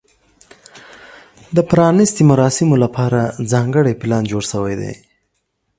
د پرانیستې مراسمو لپاره ځانګړی پلان جوړ شوی دی.